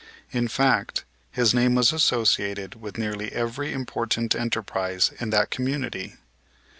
In fact his name was associated with nearly every important enterprise in that community.